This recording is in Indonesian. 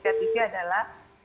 di indonesia juga adalah